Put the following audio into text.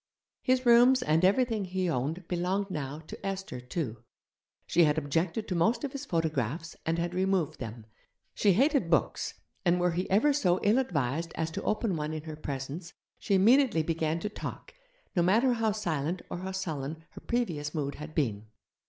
His rooms and everything he owned belonged now to Esther, too. She had objected to most of his photographs, and had removed them. She hated books, and were he ever so ill advised as to open one in her presence, she immediately began to talk, no matter how silent or how sullen her previous mood had been.